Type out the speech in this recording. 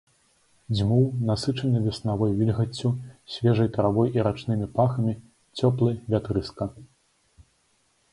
Дзьмуў, насычаны веснавой вільгаццю, свежай травой і рачнымі пахамі, цёплы вятрыска.